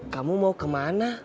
kamu mau kemana